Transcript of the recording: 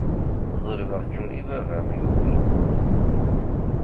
Ḍelbeɣ-kem i baba-m yugi.